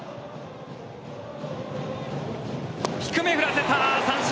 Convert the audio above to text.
低めを振らせた、三振！